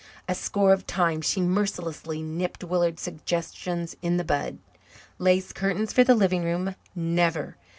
A score of times she mercilessly nipped Willard's suggestions in the bud. "Lace curtains for the living room never!